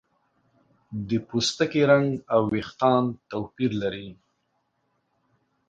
د پوستکي رنګ او ویښتان توپیر لري.